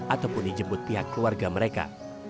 ataupun dijemput pihak keluarga mereka